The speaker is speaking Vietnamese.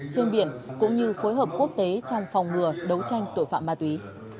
trên biển cũng như phối hợp quốc tế trong phòng ngừa đấu tranh tội phạm ma túy